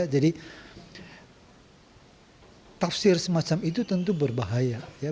jadi tafsir semacam itu tentu berbahaya